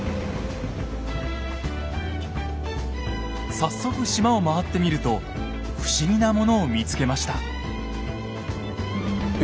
早速島を回ってみると不思議なものを見つけました。え？